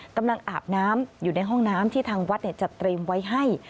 อาบน้ำอยู่ในห้องน้ำที่ทางวัดจัดเตรียมไว้ให้